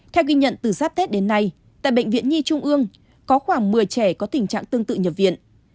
theo ghi nhận từ sắp tết đến nay tại bệnh viện nhi trung ương có khoảng một mươi trẻ có tình trạng tương tự nhập viện